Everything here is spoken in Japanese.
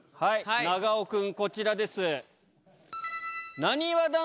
長尾くんこちらです。